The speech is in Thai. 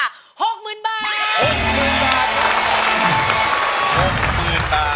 ร้องได้นะ